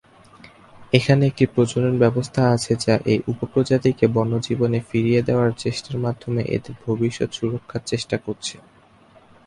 এখানে একটি প্রজনন ব্যবস্থা আছে যা এই উপ প্রজাতিকে বন্য জীবনে ফিরিয়ে দেয়ার চেষ্টার মাধ্যমে এদের ভবিষ্যৎ সুরক্ষার চেষ্টা করছে।